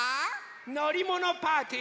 のりものパーティー。